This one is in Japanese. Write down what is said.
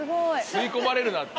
吸い込まれるなって。